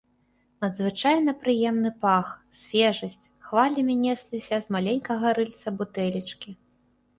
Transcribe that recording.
Надзвычайна прыемны пах, свежасць хвалямі несліся з маленькага рыльца бутэлечкі.